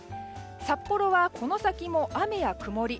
札幌はこの先も雨や曇り